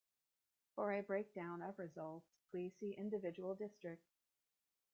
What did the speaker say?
For a breakdown of results, please see individual districts.